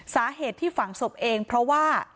สาเหตุที่ฝังศพเองเพราะว่า